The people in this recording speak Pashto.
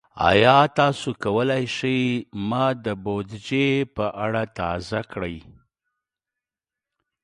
ایا تاسو کولی شئ ما د بودیجې په اړه تازه کړئ؟